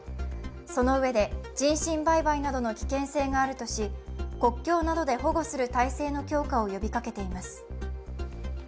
そのうえで、人身売買などの危険性があるとし、国境などで保護する体制の強化を呼びかけています。